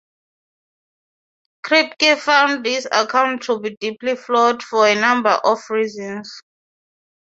Kripke found this account to be deeply flawed, for a number of reasons.